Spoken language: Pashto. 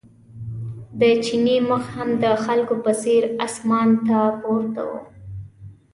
د چیني مخ هم د خلکو په څېر اسمان ته پورته و.